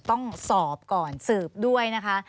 ต้องสอบก่อนสืบด้วยนะคะ